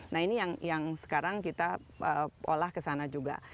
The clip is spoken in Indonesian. nah ini yang sekarang kita olah ke sana juga